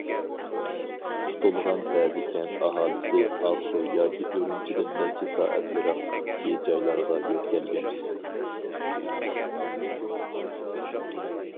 تۇتۇلغان بەزى كەنت ئاھالىسى ئاقسۇ ياكى ئۈرۈمچىدىن نەچچە سائەت يىراقلىقتىكى جايلارغا يۆتكەلگەن.